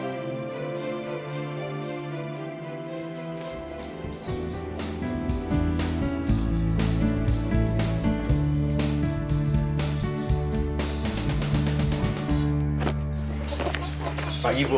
cepet ke sini